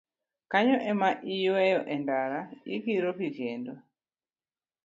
Kanyo ema iyweyo e ndara, ikiro pi kendo